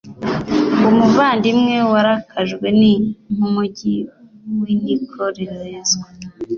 Umuvandimwe warakajwe ni nk’umugi w’intikorerezwa